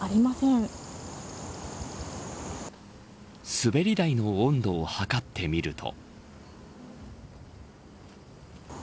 すべり台の温度を測ってみると。